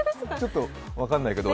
分かんないけど。